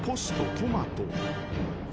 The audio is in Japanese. トマト。